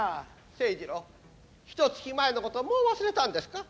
清二郎ひとつき前のこともう忘れたんですか。